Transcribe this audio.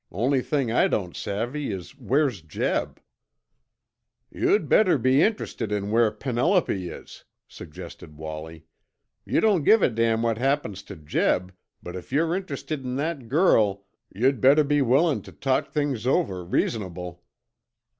Only thing I don't savvy is where's Jeb?" "You'd better be interested in where Penelope is," suggested Wallie. "You don't give a damn what happens to Jeb, but if you're interested in that girl, you'd better be willin' to talk things over reasonable."